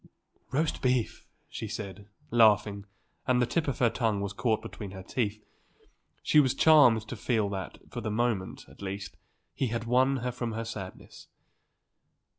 "Roast beef!" she said, laughing, and the tip of her tongue was caught between her teeth. He was charmed to feel that, for the moment, at least, he had won her from her sadness.